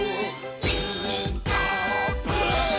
「ピーカーブ！」